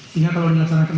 hingga kalau dilaksanakan